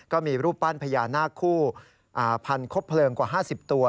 ก็มีรูปปั้นพญานาคคู่พันธบเพลิงกว่า๕๐ตัว